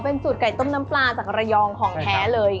เป็นสูตรไก่ต้มน้ำปลาจากระยองของแท้เลย